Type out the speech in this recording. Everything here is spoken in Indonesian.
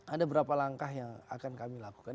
ada berapa langkah yang akan kami lakukan